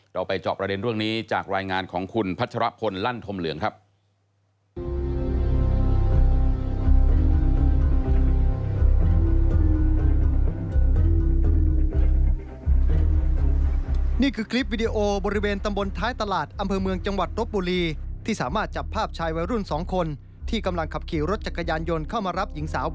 ไปเจาะประเด็นเรื่องนี้จากรายงานของคุณพัชรพลลั่นธมเหลืองครับ